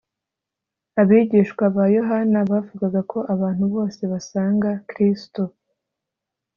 Abigishwa ba Yohana bavugaga ko abantu bose basanga Kristo